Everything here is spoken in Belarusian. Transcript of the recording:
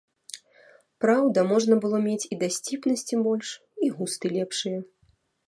Праўда, можна было мець і дасціпнасці больш, і густы лепшыя.